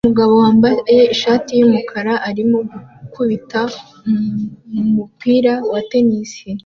Umugabo wambaye ishati yumukara arimo gukubita umupira wa tennis